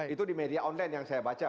itu di media online yang saya baca